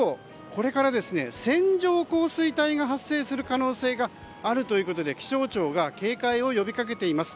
これから線状降水帯が発生する可能性があるということで気象庁が警戒を呼びかけています。